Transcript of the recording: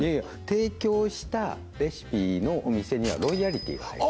提供したレシピのお店にはロイヤリティが入る